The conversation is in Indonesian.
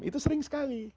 itu sering sekali